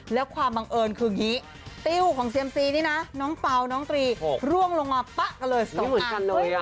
แล้วความบังเอิญคืออย่างนี้ติ้วของเซียมซีนี่นะน้องเปล่าน้องตรีร่วงลงมาป๊ะกันเลย๒คันเลย